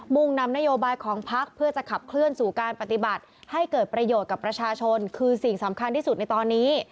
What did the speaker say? ่งนำนโยบายของพักเพื่อจะขับเคลื่อนสู่การปฏิบัติให้เกิดประโยชน์กับประชาชนคือสิ่งสำคัญที่สุดในตอนนี้